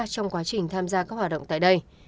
trong quá trình tham gia các hoạt động tại đây